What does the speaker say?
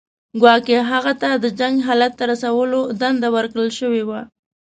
ګواکې هغه ته د جنګ حالت ته رسولو دنده ورکړل شوې وه.